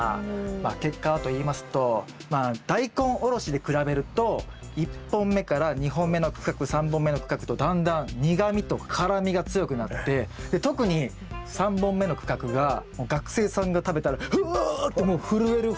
結果はといいますとダイコンおろしで比べると１本目から２本目の区画３本目の区画とだんだん苦みと辛みが強くなって特に３本目の区画が学生さんが食べたらああってもう震えるほどの。